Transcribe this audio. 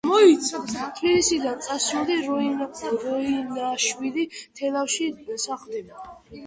თბილისიდან წასული როინაშვილი, თელავში სახლდება.